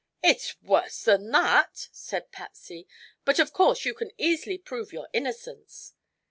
"It's worse than that," said Patsy; "but of course you can easily prove your innocence."